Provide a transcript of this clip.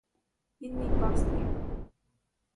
Він мій пастир.